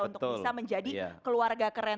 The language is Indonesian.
untuk bisa menjadi keluarga keren